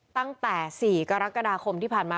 ตั้งแต่๔กรกฎาคมที่ผ่านมา